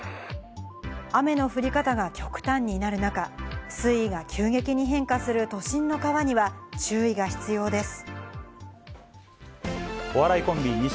雨の降り方が極端になる中、水位が急激に変化する都心の川には、注意が必要です。